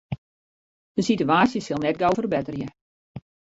De sitewaasje sil net gau ferbetterje.